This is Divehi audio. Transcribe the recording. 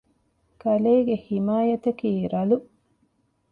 ކަލޭގެ ޙިމާޔަތަކީ ރަލު